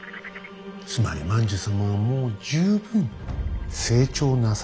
つまり万寿様はもう十分成長なされたということだ。